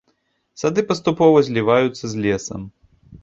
Сады паступова зліваюцца з лесам.